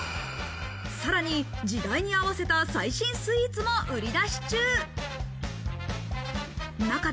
さらに時代に合わせた最新スイーツも売り出し中。